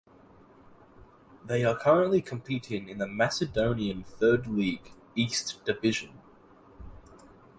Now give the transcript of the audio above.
They are currently competing in the Macedonian Third League (East Division).